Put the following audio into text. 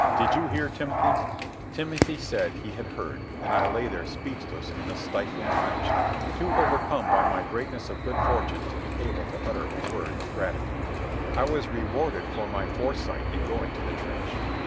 Did you hear, Timothy?" Timothy said he had heard, and I lay there speechless in the stifling trench, too overcome by my greatness of good fortune to be able to utter a word of gratitude. I was rewarded for my foresight in going to the trench.